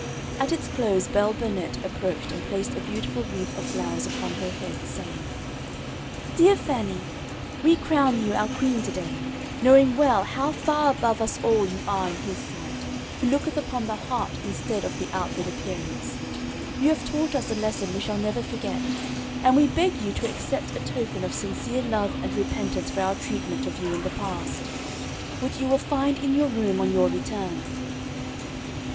At its close Belle Burnette approached and placed a beautiful wreath of flowers upon her head, saying: "Dear Fannie, we crown you our queen to day, knowing well how far above us all you are in His sight, who looketh upon the heart instead of the outward appearance. You have taught us a lesson we shall never forget, and we beg you to accept a token of sincere love and repentance for our treatment of you in the past, which you will find in your room on your return."